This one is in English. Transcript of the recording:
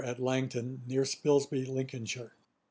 AT LANGTON, NEAR SPILSBY, LINCOLNSHIRE.